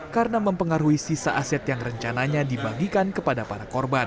karena mempengaruhi sisa aset yang rencananya dibagikan kepada para korban